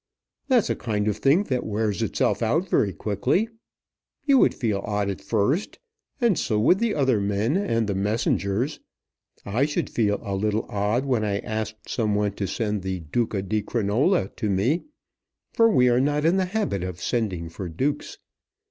"That's a kind of thing that wears itself out very quickly. You would feel odd at first, and so would the other men, and the messengers. I should feel a little odd when I asked some one to send the Duca di Crinola to me, for we are not in the habit of sending for Dukes.